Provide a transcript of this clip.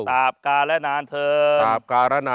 ตาปกาและนานเทิน